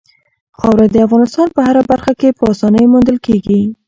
خاوره د افغانستان په هره برخه کې په اسانۍ موندل کېږي.